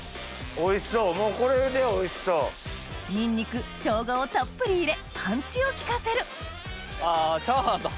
おいしそうもうこれでおいしそう。をたっぷり入れパンチを効かせるあチャーハンだ。